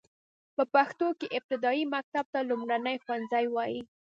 په پښتو کې ابتدايي مکتب ته لومړنی ښوونځی وايي.